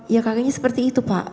ya kakeknya seperti itu pak